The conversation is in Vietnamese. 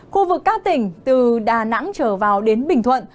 khu vực các tỉnh từ đà nẵng trở vào đến bình thuận